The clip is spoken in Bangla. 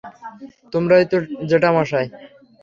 তোমারই তো জেঠামশায়!